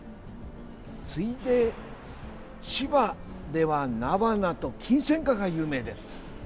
続いて、千葉では菜花とキンセンカが有名です。